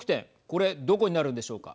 これ、どこになるんでしょうか。